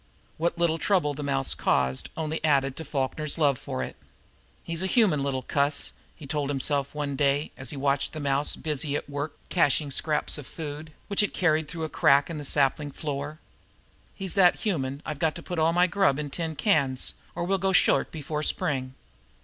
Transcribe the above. What little trouble the mouse caused only added to Falkner's love for it. "He's a human little cuss," he told himself one day, as he watched the mouse busy at work caching away scraps of food, which it carried through a crack in the sapling floor. "He's that human I've got to put all my grab in the tin cans or we'll go short before spring!"